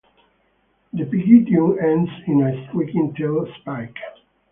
The pygidium ends in a striking tail spike.